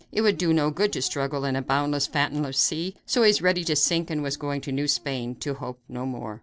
It would do no good to struggle in a boundless, fathomless sea; so he was ready to sink and was going to New Spain to hope no more.